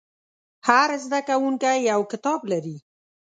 هر زده کوونکی یو کتاب لري.